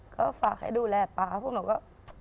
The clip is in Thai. ก็ฝากให้ดูแลป๊าพวกหนูก็